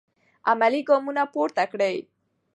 عملي ګامونه پورته کړئ.